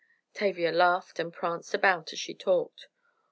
Tavia laughed and pranced about as she talked.